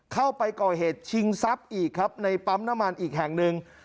เข้าไปก่อเหตุชิงทรัพย์อีกครับในปั๊มน้ำมันอีกแห่งหนึ่ง